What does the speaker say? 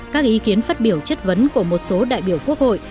các ý kiến phát biểu chất vấn của một số đại biểu quốc hội